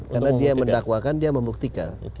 karena dia mendakwakan dia membuktikan